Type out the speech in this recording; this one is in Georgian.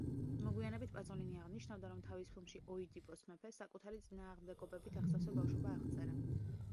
მოგვიანებით პაზოლინი აღნიშნავდა, რომ თავის ფილმში „ოიდიპოს მეფე“ საკუთარი წინააღმდეგობებით აღსავსე ბავშვობა აღწერა.